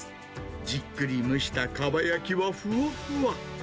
じっくり蒸したかば焼きはふわふわ。